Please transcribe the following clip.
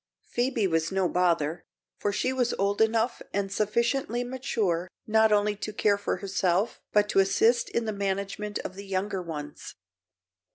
Phoebe was no bother, for she was old enough and sufficiently mature not only to care for herself but to assist in the management of the younger ones.